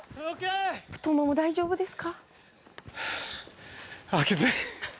太もも、大丈夫ですか？